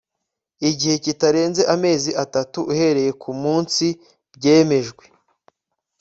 igihe kitarenze amezi atatu uhereye ku munsi byemejwe